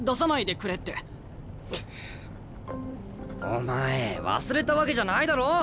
お前忘れたわけじゃないだろ？